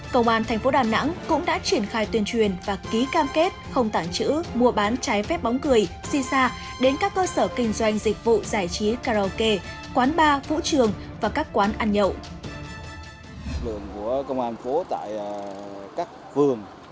công an thành phố đà nẵng cũng đã triển khai tuyên truyền và ký cam kết không tản chữ mua bán trái phép bóng cười xin xa đến các cơ sở kinh doanh dịch vụ giải trí karaoke phủ trường và các quán ăn nhậu